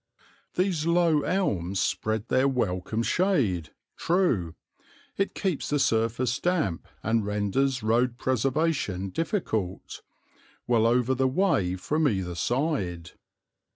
These low elms spread their welcome shade true, it keeps the surface damp and renders road preservation difficult well over the way from either side.